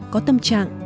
có tâm trạng